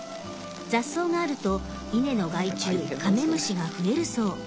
雑草があると稲の害虫カメムシが増えるそう。